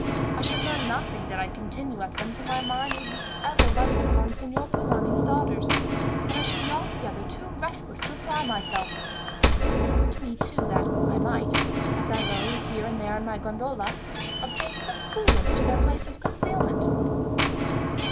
I should learn nothing did I continue at them, for my mind would be ever running upon Signor Polani's daughters, and I should be altogether too restless to apply myself. It seems to me, too, that I might, as I row here and there in my gondola, obtain some clue as to their place of concealment."